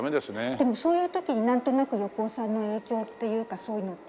でもそういう時になんとなく横尾さんの影響っていうかそういうのって。